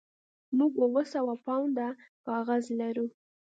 موږ اوه سوه پونډه کاغذ لرو